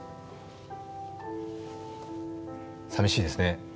さみしいですね。